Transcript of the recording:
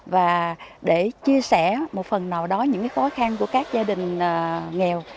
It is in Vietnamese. và để chia sẻ một phần nào đó những khó khăn của các gia đình nghèo